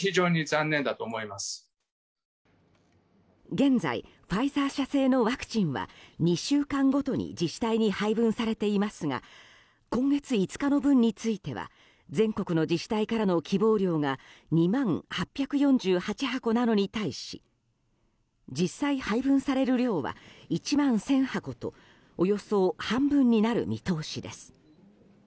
現在ファイザー社製のワクチンは２週間ごとに自治体に配分されていますが今月５日の分については全国の自治体からの希望量が２万８４８箱なのに対し実際に配分される量は１万１０００箱とおよそ半分になる見通しです。